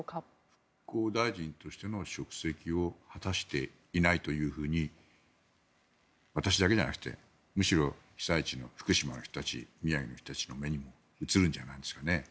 復興大臣としての職責を果たしていないというふうに私だけじゃなくてむしろ被災地の福島の人たち宮城の人たちの目にも映るんじゃないですかね。